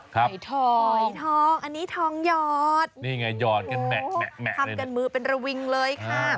ครับไอ้ทองอันนี้ทองหยอดโอ้โหทำกันมือเป็นระวิงเลยค่ะ